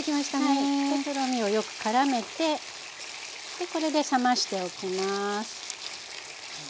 はいとろみをよくからめてこれで冷ましておきます。